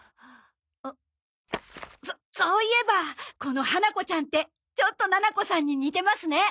そそういえばこのハナコちゃんってちょっとななこさんに似てますね。